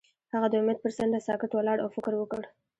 هغه د امید پر څنډه ساکت ولاړ او فکر وکړ.